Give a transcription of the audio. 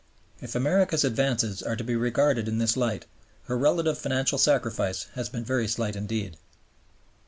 If America's advances are to be regarded in this light, her relative financial sacrifice has been very slight indeed.